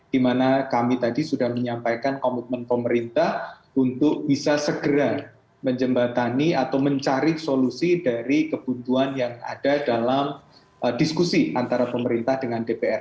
di mana kami tadi sudah menyampaikan komitmen pemerintah untuk bisa segera menjembatani atau mencari solusi dari kebutuhan yang ada dalam diskusi antara pemerintah dengan dpr